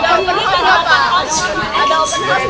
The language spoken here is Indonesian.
ada rencana apa pak